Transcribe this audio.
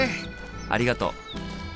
ありがとう。